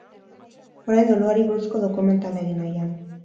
Orain doluari buruzko dokumentala egin nahian.